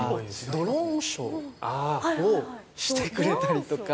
ドローンショーをしてくれたりとか。